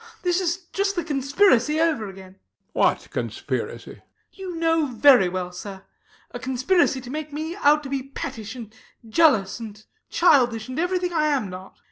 This is just the conspiracy over again. HECTOR. What conspiracy? RANDALL. You know very well, sir. A conspiracy to make me out to be pettish and jealous and childish and everything I am not.